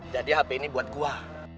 jadi hp ini buat gue